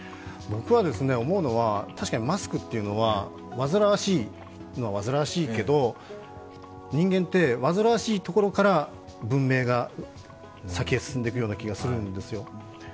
僕は思うのは、確かにマスクというのは煩わしいのは煩わしいけど、人間って煩わしいところから文明が先へ進んでいくような気がするんですよ。